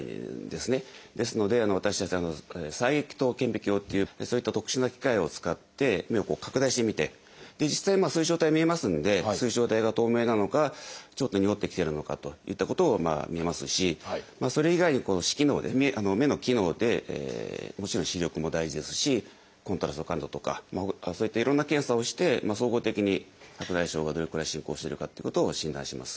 ですので私たち細隙灯顕微鏡っていってそういった特殊な機械を使って目を拡大して見て実際水晶体見えますので水晶体が透明なのかちょっとにごってきているのかといったことを診ますしそれ以外に視機能で目の機能でもちろん視力も大事ですしコントラストの感度とかそういったいろんな検査をして総合的に白内障がどれくらい進行しているかってことを診断します。